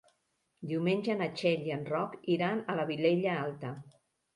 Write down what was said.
Diumenge na Txell i en Roc iran a la Vilella Alta.